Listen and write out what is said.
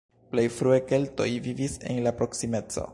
Plej frue keltoj vivis en la proksimeco.